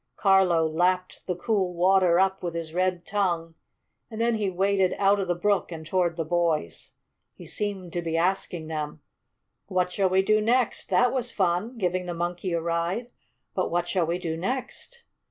Carlo lapped the cool water up with his red tongue, and then he waded out of the brook and toward the boys. He seemed to be asking them: "What shall we do next? That was fun giving the Monkey a ride. But what shall we do next?"